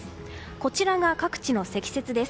こちらが各地の積雪です。